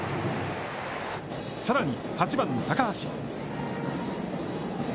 さらに、８番高橋。